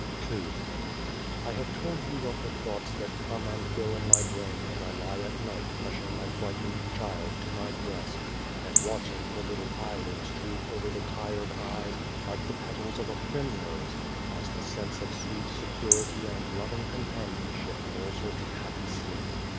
II I HAVE told you of the thoughts that come and go in my brain as I lie at night hushing my frightened child to my breast, and watching the little eyelids droop over the tired eyes, like the petals of a primrose, as the sense of sweet security and loving companionship lulls her to happy sleep.